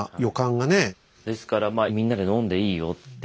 ですからまあ「みんなで飲んでいいよ」って。